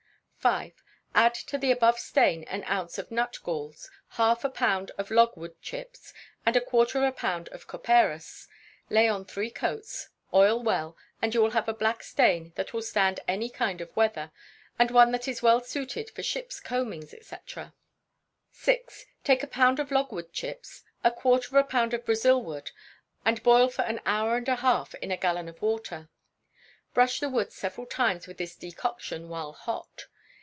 v. Add to the above stain an ounce of nut galls, half a pound of log wood chips, and a quarter of a pound of copperas; lay on three coats, oil well, and you will have a black stain that will stand any kind of weather, and one that is well suited for ships' combings, &c. vi. Take a pound of logwood chips, a quarter of a pound of Brazil wood, and boil for an hour and a half in a gallon of water. Brush the wood several times with this decoction while hot.